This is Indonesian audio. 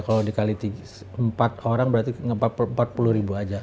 kalau dikali empat orang berarti empat puluh ribu aja